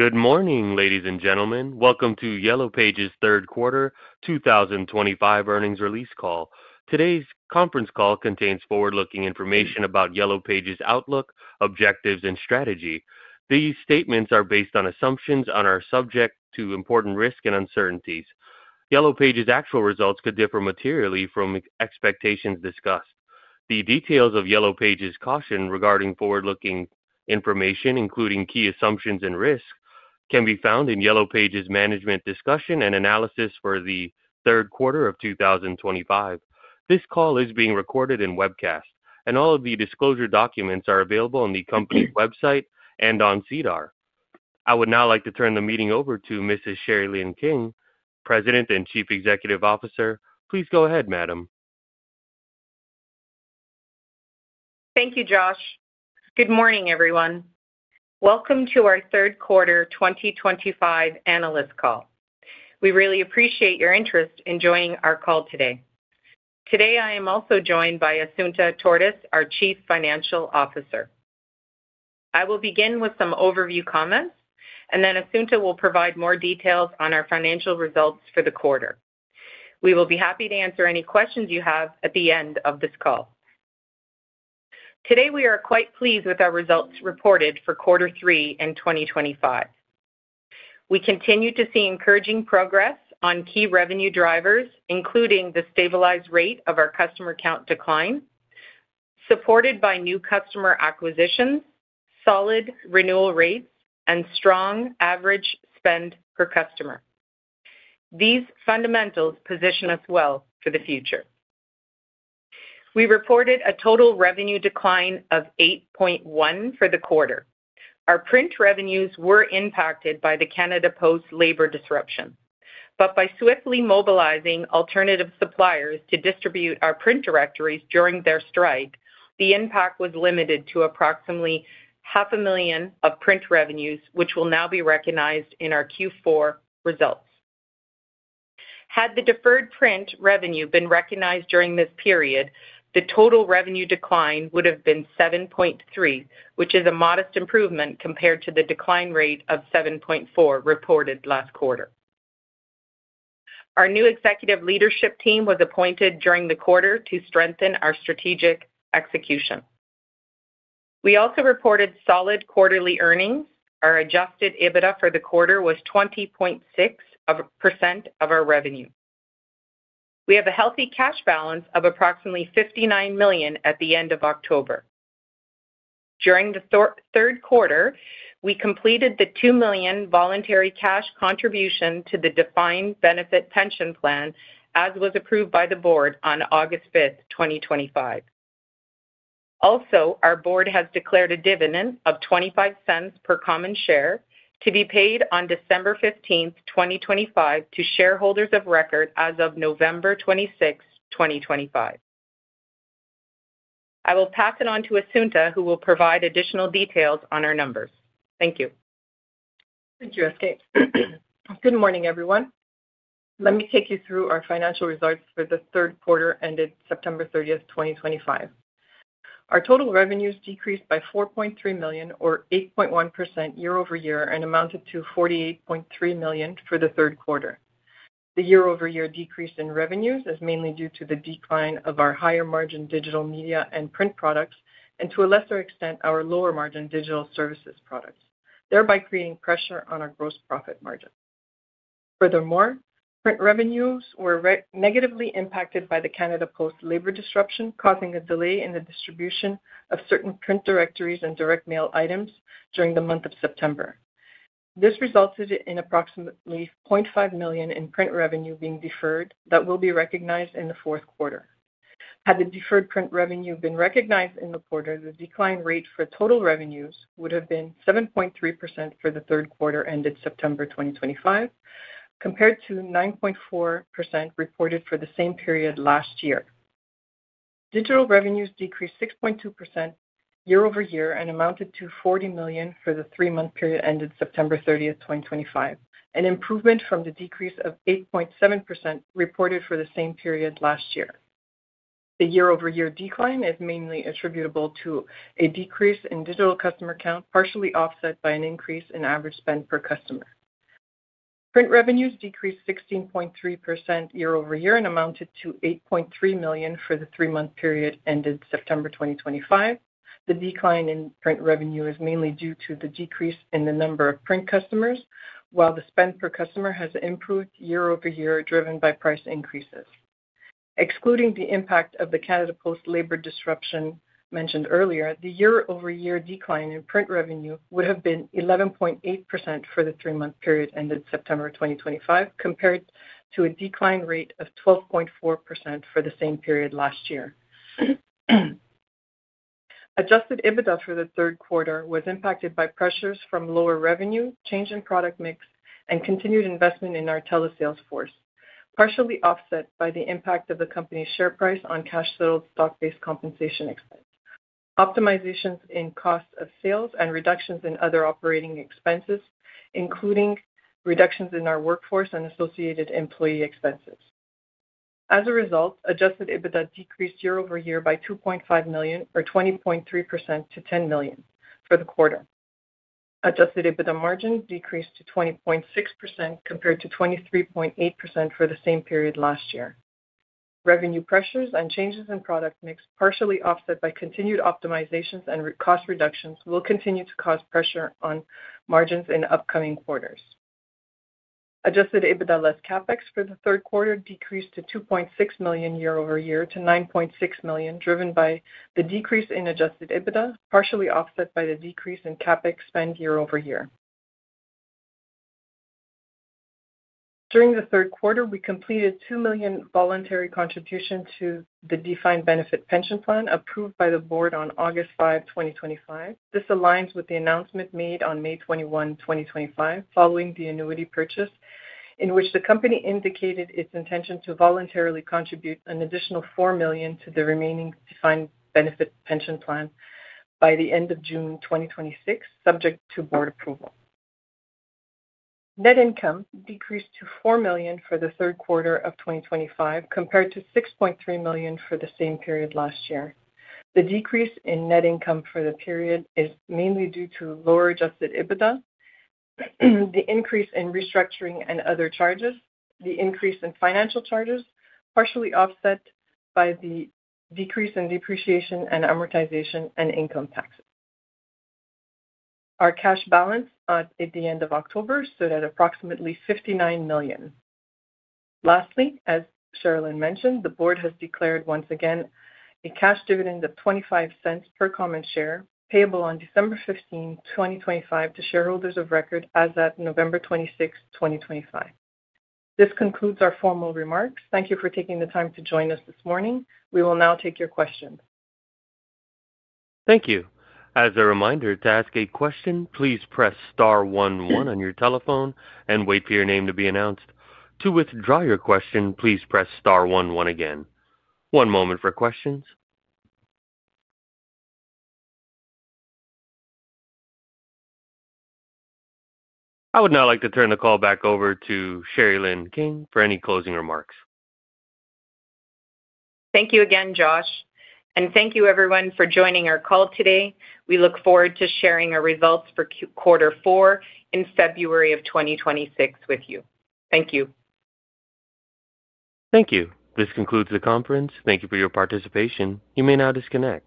Good morning, ladies and gentlemen. Welcome to Yellow Pages third quarter 2025 earnings release call. Today's conference call contains forward-looking information about Yellow Pages outlook, objectives, and strategy. These statements are based on assumptions and are subject to important risk and uncertainties. Yellow Pages' actual results could differ materially from expectations discussed. The details of Yellow Pages' caution regarding forward-looking information, including key assumptions and risk, can be found in Yellow Pages' management discussion and analysis for the third quarter of 2025. This call is being recorded and webcast, and all of the disclosure documents are available on the company website and on SEDAR. I would now like to turn the meeting over to Mrs. Sherilyn King, President and Chief Executive Officer. Please go ahead, Madam. Thank you, Josh. Good morning, everyone. Welcome to our third quarter 2025 analyst call. We really appreciate your interest in joining our call today. Today, I am also joined by Assunta Tortis, our Chief Financial Officer. I will begin with some overview comments, and then Assunta will provide more details on our financial results for the quarter. We will be happy to answer any questions you have at the end of this call. Today, we are quite pleased with our results reported for quarter three in 2025. We continue to see encouraging progress on key revenue drivers, including the stabilized rate of our customer count decline, supported by new customer acquisitions, solid renewal rates, and strong average spend per customer. These fundamentals position us well for the future. We reported a total revenue decline of 8.1% for the quarter. Our print revenues were impacted by the Canada Post labor disruption, but by swiftly mobilizing alternative suppliers to distribute our print directories during their strike, the impact was limited to approximately 500,000 of print revenues, which will now be recognized in our Q4 results. Had the deferred print revenue been recognized during this period, the total revenue decline would have been 7.3%, which is a modest improvement compared to the decline rate of 7.4% reported last quarter. Our new executive leadership team was appointed during the quarter to strengthen our strategic execution. We also reported solid quarterly earnings. Our Adjusted EBITDA for the quarter was 20.6% of our revenue. We have a healthy cash balance of approximately 59 million at the end of October. During the third quarter, we completed the 2 million voluntary cash contribution to the defined benefit pension plan, as was approved by the board on August 5th, 2025. Also, our board has declared a dividend of 0.25 per common share to be paid on December 15th, 2025, to shareholders of record as of November 26th, 2025. I will pass it on to Assunta, who will provide additional details on our numbers. Thank you. Thank you, Escape. Good morning, everyone. Let me take you through our financial results for the third quarter ended September 30th, 2025. Our total revenues decreased by 4.3 million, or 8.1% year-over-year, and amounted to 48.3 million for the third quarter. The year-over-year decrease in revenues is mainly due to the decline of our higher margin digital media and print products, and to a lesser extent, our lower margin digital services products, thereby creating pressure on our gross profit margin. Furthermore, print revenues were negatively impacted by the Canada Post labor disruption, causing a delay in the distribution of certain print directories and direct mail items during the month of September. This resulted in approximately 0.5 million in print revenue being deferred that will be recognized in the fourth quarter. Had the deferred print revenue been recognized in the quarter, the decline rate for total revenues would have been 7.3% for the third quarter ended September 2025, compared to 9.4% reported for the same period last year. Digital revenues decreased 6.2% year-over-year and amounted to 40 million for the three-month period ended September 30th, 2025, an improvement from the decrease of 8.7% reported for the same period last year. The year-over-year decline is mainly attributable to a decrease in digital customer count, partially offset by an increase in average spend per customer. Print revenues decreased 16.3% year-over-year and amounted to 8.3 million for the three-month period ended September 2025. The decline in print revenue is mainly due to the decrease in the number of print customers, while the spend per customer has improved year-over-year, driven by price increases. Excluding the impact of the Canada Post labor disruption mentioned earlier, the year-over-year decline in print revenue would have been 11.8% for the three-month period ended September 2025, compared to a decline rate of 12.4% for the same period last year. Adjusted EBITDA for the third quarter was impacted by pressures from lower revenue, change in product mix, and continued investment in our telesales force, partially offset by the impact of the company's share price on cash settled stock-based compensation expense, optimizations in cost of sales, and reductions in other operating expenses, including reductions in our workforce and associated employee expenses. As a result, Adjusted EBITDA decreased year-over-year by 2.5 million, or 20.3% to 10 million for the quarter. Adjusted EBITDA margin decreased to 20.6% compared to 23.8% for the same period last year. Revenue pressures and changes in product mix, partially offset by continued optimizations and cost reductions, will continue to cause pressure on margins in upcoming quarters. Adjusted EBITDA less CapEx for the third quarter decreased 2.6 million year-over-year to 9.6 million, driven by the decrease in Adjusted EBITDA, partially offset by the decrease in CapEx spend year-over-year. During the third quarter, we completed 2 million voluntary contributions to the defined benefit pension plan approved by the board on August 5, 2025. This aligns with the announcement made on May 21, 2025, following the annuity purchase, in which the company indicated its intention to voluntarily contribute an additional 4 million to the remaining defined benefit pension plan by the end of June 2026, subject to board approval. Net income decreased to 4 million for the third quarter of 2025, compared to 6.3 million for the same period last year. The decrease in net income for the period is mainly due to lower Adjusted EBITDA, the increase in restructuring and other charges, the increase in financial charges, partially offset by the decrease in depreciation and amortization and income taxes. Our cash balance at the end of October stood at approximately 59 million. Lastly, as Sherilyn mentioned, the board has declared once again a cash dividend of 0.25 per common share payable on December 15, 2025, to shareholders of record as at November 26, 2025. This concludes our formal remarks. Thank you for taking the time to join us this morning. We will now take your questions. Thank you. As a reminder, to ask a question, please press star one one on your telephone and wait for your name to be announced. To withdraw your question, please press star one one again. One moment for questions. I would now like to turn the call back over to Sherilyn King for any closing remarks. Thank you again, Josh, and thank you, everyone, for joining our call today. We look forward to sharing our results for quarter four in February of 2026 with you. Thank you. Thank you. This concludes the conference. Thank you for your participation. You may now disconnect.